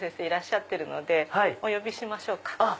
いらっしゃってるのでお呼びしましょうか。